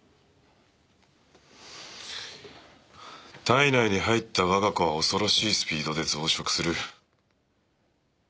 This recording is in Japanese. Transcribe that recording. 体内に入った我が子は恐ろしいスピードで増殖する。